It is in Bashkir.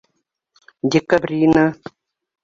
Декабрина!